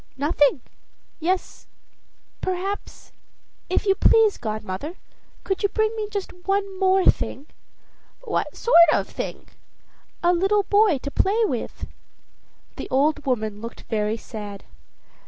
"Nothing. Yes perhaps If you please, godmother, could you bring me just one more thing?" "What sort of thing!" "A little boy to play with." The old woman looked very sad.